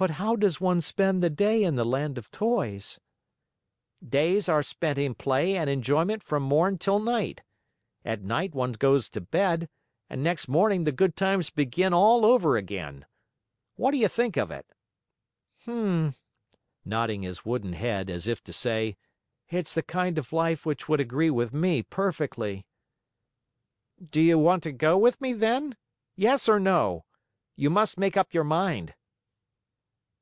"But how does one spend the day in the Land of Toys?" "Days are spent in play and enjoyment from morn till night. At night one goes to bed, and next morning, the good times begin all over again. What do you think of it?" "H'm !" said Pinocchio, nodding his wooden head, as if to say, "It's the kind of life which would agree with me perfectly." "Do you want to go with me, then? Yes or no? You must make up your mind."